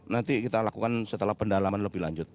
nanti kita lakukan setelah pendalaman lebih lanjut